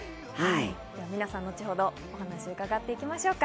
皆さん、後ほどお話伺っていきましょう。